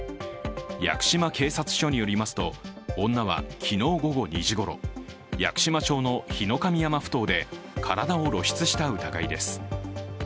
屋久島警察署によりますと、女は昨日午後２時ごろ屋久島町の火之上山埠頭で体を露出した疑いです。